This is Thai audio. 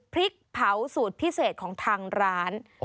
พริกเผาสูตรพิเศษของทางร้าน